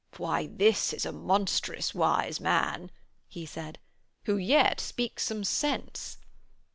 'Why this is a monstrous wise man,' he said, 'who yet speaks some sense.'